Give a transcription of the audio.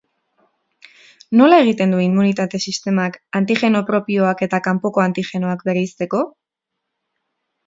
Nola egiten du immunitate-sistemak antigeno propioak eta kanpoko antigenoak bereizteko?